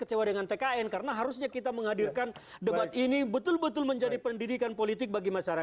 kecewa dengan tkn karena harusnya kita menghadirkan debat ini betul betul menjadi pendidikan politik bagi masyarakat